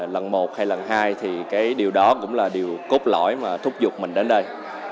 lần một hay lần hai thì cái điều đó cũng là điều cốt lõi mà thúc giục mình đến đây